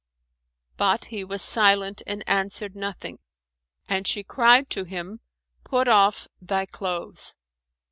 But he was silent and answered nothing; and she cried to him, "Put off thy clothes."